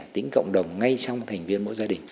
tính cộng đồng ngay trong thành viên mỗi gia đình